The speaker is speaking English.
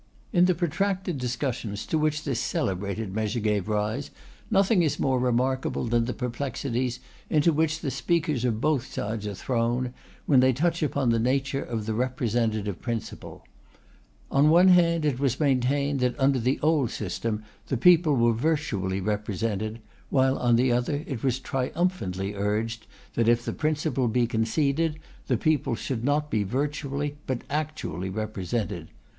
In the protracted discussions to which this celebrated measure gave rise, nothing is more remarkable than the perplexities into which the speakers of both sides are thrown, when they touch upon the nature of the representative principle. On one hand it was maintained, that, under the old system, the people were virtually represented; while on the other, it was triumphantly urged, that if the principle be conceded, the people should not be virtually, but actually, represented.